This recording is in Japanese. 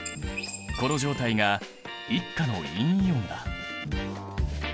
この状態が１価の陰イオンだ。